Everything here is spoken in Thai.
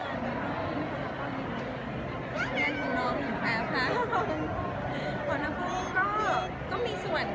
กินผัดมาคุณก็ทำได้เยี่ยมทุกงาน